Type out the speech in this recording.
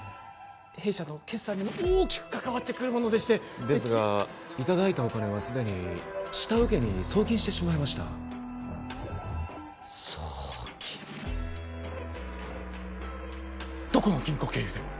弊社の決算にも大きくかかわってくるものでしてですがいただいたお金はすでに下請けに送金してしまいました送金どこの銀行経由で？